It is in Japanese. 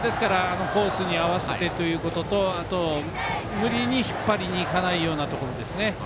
コースに合わせてということとあと、無理に引っ張りにいかないようなところですね。